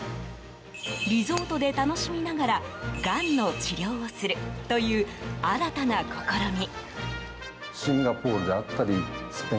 リゾートで楽しみながらがんの治療をするという新たな試み。